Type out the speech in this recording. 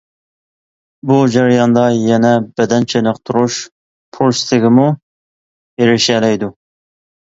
بۇ جەرياندا يەنە بەدەن چېنىقتۇرۇش پۇرسىتىگىمۇ ئېرىشەلەيدۇ.